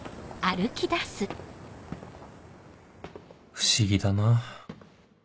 不思議だな